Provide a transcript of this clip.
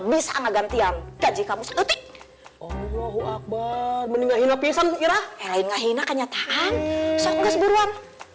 bisa menggantian gaji kamu seperti allahu akbar mendingan pisan kira kira kanyataan